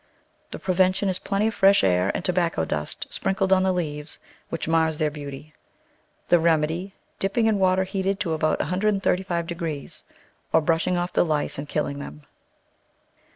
The prevention is plenty of fresh air and tobacco dust sprinkled on the leaves, which mars their beauty. The remedy — dipping in water heated to about 135 degrees, or brushing off the lice and killing them.